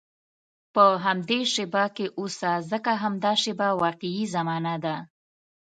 په همدې شېبه کې اوسه، ځکه همدا شېبه واقعي زمانه ده.